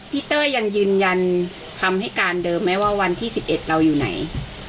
เต้ยยังยืนยันคำให้การเดิมไหมว่าวันที่๑๑เราอยู่ไหน